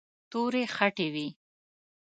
تورې خټې وې.